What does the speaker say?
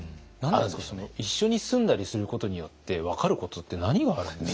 一緒に住んだりすることによって分かることって何があるんですか？